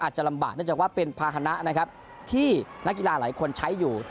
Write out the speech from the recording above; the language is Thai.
อาจจะลำบากก็จะว่าเป็นภาคณะนะครับที่นักกีฬาหลายคนใช้อยู่